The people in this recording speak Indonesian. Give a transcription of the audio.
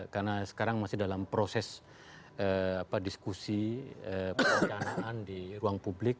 karena sekarang masih dalam proses diskusi perencanaan di ruang publik